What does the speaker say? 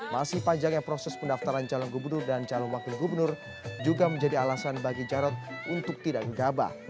masih panjangnya proses pendaftaran calon gubernur dan calon wakil gubernur juga menjadi alasan bagi jarod untuk tidak digabah